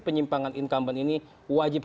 penyimpangan incumbent ini wajib